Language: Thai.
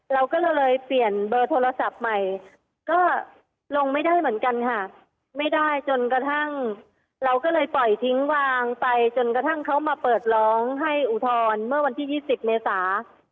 เราก็เลยเปลี่ยนเบอร์โทรศัพท์ใหม่ก็ลงไม่ได้เหมือนกันค่ะไม่ได้จนกระทั่งเราก็เลยปล่อยทิ้งวางไปจนกระทั่งเขามาเปิดร้องให้อุทธรณ์เมื่อวันที่๒๐เมษา